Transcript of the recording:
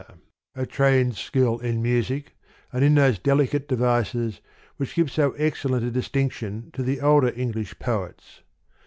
BRIDGES, , a trained skill in music, and in those deli cate devices, which give so excellent a dis tinction to the older English poets.